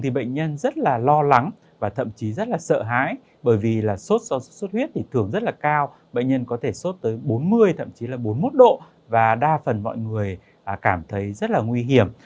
bệnh nhân có thể xuất tới bốn mươi thậm chí là bốn mươi một độ và đa phần mọi người cảm thấy rất là nguy hiểm